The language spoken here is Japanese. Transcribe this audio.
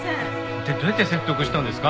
一体どうやって説得したんですか？